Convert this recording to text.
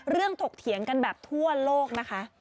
ถกเถียงกันแบบทั่วโลกนะคะ